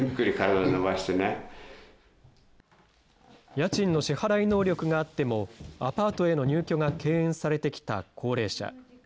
家賃の支払い能力があっても、アパートへの入居が敬遠されてきた高齢者。